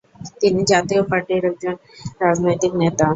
তিনি জাতীয় পার্টির একজন রাজনৈতিক নেতা।